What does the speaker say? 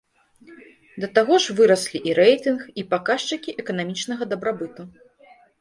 Да таго ж выраслі і рэйтынг і паказчыкі эканамічнага дабрабыту.